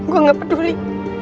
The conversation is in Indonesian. gue gak peduli